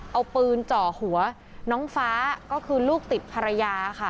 เอาปืนเจาะหัวน้องฟ้าก็คือลูกติดภรรยาค่ะ